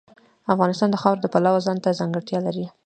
افغانستان د خاوره د پلوه ځانته ځانګړتیا لري.